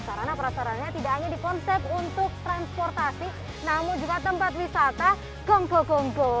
sarana perasarannya tidak hanya di konsep untuk transportasi namun juga tempat wisata gongko gongko